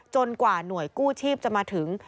กว่าหน่วยกู้ชีพจะมาถึง